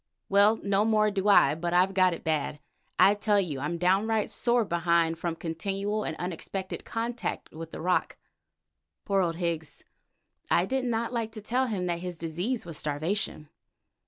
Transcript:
Well, no more do I, but I've got it bad. I tell you I'm downright sore behind from continual and unexpected contact with the rock." Poor old Higgs! I did not like to tell him that his disease was starvation.